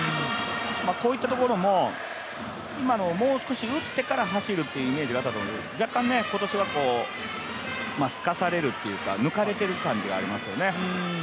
こういったところも、今のもう少し打ってから走るっていうイメージがあったと思うんですが今年はすかされるというか抜かれている感じがありますよね。